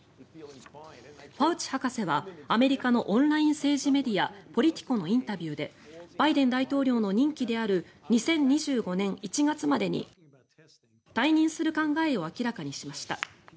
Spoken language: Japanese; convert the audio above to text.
ファウチ博士は、アメリカのオンライン政治メディアポリティコのインタビューでバイデン大統領の任期である２０２５年１月までに退任する考えを明らかにしました。